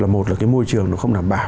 một là cái môi trường nó không đảm bảo